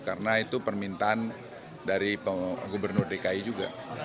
karena itu permintaan dari gubernur dki juga